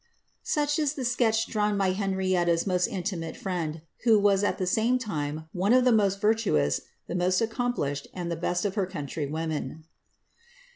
Such is the sketch drawn by Henrietta's most intimate friend, who was at the same time one of the most virtuous, the most accomplished, and the best of her countrywomen.